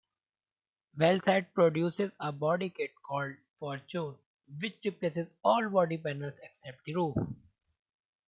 VeilSide produces a bodykit called "Fortune" which replaces all body panels except the roof.